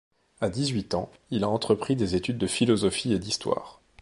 À dix-huit ans, il a entrepris des études de philosophie et d’histoire.